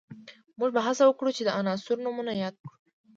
موږ به هڅه وکړو چې د عناصرو نومونه یاد کړو